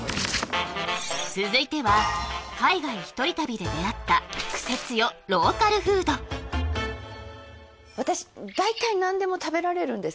続いては海外一人旅で出会ったクセ強私大体何でも食べられるんです